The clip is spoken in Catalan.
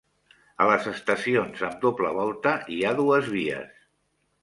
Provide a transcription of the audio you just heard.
A les estacions amb doble volta hi ha dues vies.